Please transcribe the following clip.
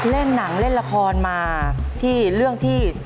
เล่นหนังเล่นละครมาที่เรื่องที่